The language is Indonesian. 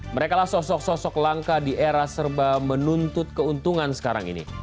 merekalah sosok sosok langka di era serba menuntut keuntungan sekarang ini